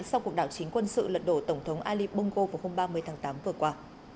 sau cuộc đảo chính quân sự lật đổ tổng thống ali bongo vào hôm ba mươi tháng tám vừa qua